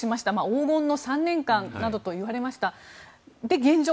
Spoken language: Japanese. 黄金の３年間などといわれましたで、現状